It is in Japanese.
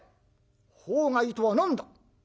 法外とは何だ。